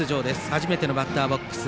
初めてのバッターボックス。